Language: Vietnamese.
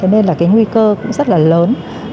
nên là cái nguy cơ cũng rất là lớn